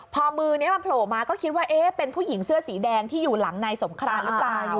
พอมือนี้มันโผล่มาก็คิดว่าเอ๊ะเป็นผู้หญิงเสื้อสีแดงที่อยู่หลังนายสงครานหรือเปล่า